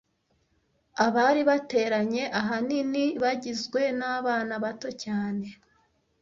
Abari bateranye ahanini bagizwe nabana bato cyane.